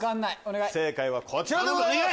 正解はこちらでございます。